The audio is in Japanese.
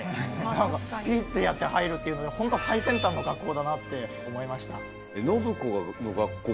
ピッてやって入るっていうのでホント最先端の学校だなって思いました。